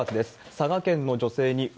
佐賀県の女性にう